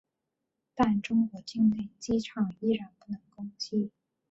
但中国境内机场依然不能攻击。